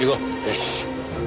よし。